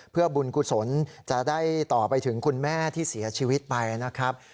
เพื่อบุญกุศลจะได้ต่อไปถึงคุณแม่ที่เสียชีวิตไปนะครับ